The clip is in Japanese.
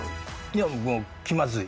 いやもう気まずい。